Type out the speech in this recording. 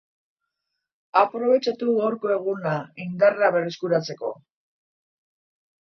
Aprobetxatu gaurko eguna indarra berreskuratzeko.